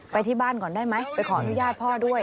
ไปที่บ้านก่อนได้ไหมไปขออนุญาตพ่อด้วย